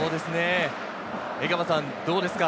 江川さん、どうですか？